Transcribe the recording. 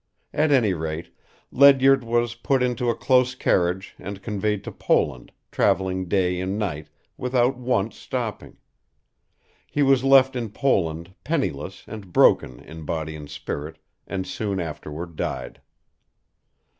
At any rate, Ledyard was put into a close carriage and conveyed to Poland, traveling day and night, without once stopping. He was left in Poland penniless and broken in body and spirit, and soon afterward died.